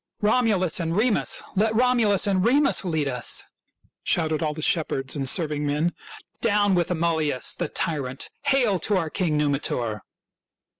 "Romulus and Remus! Let Romulus and Remus lead us !" shouted all the shepherds and serving men. " Down with Amulius the tyrant ! Hail to our King Numitor!"